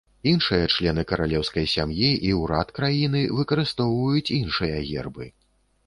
Іншыя члены каралеўскай сям'і і ўрад краіны выкарыстоўваюць іншыя гербы.